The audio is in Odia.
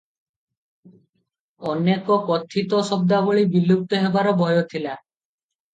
ଅନେକ କଥିତ ଶବ୍ଦାବଳୀ ବିଲୁପ୍ତ ହେବାର ଭୟ ଥିଲା ।